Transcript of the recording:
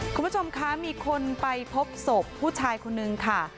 คุณผู้ชมคะมีคนไปพบศพผู้ชายคนนึงค่ะ